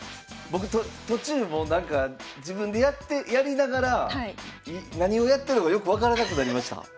僕途中もうなんか自分でやりながら何をやってるのかよく分からなくなりました。